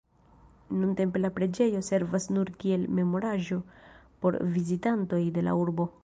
Nuntempe la preĝejo servas nur kiel memoraĵo por vizitantoj de la urbo.